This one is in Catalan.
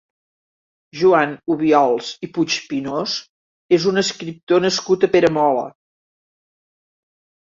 Joan Obiols i Puigpinós és un escriptor nascut a Peramola.